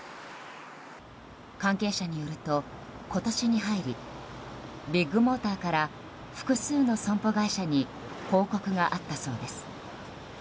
関係者によると、今年に入りビッグモーターから複数の損保会社に報告があったそうです。